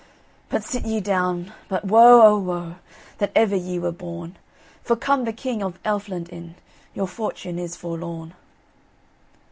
"But sit ye down; but woe, O, woe, That ever ye were born, For come the King of Elfland in, Your fortune is forlorn."